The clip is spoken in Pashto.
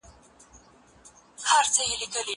زه کولای سم بازار ته ولاړ سم؟